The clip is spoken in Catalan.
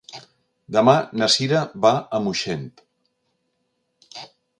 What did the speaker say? Demà na Cira va a Moixent.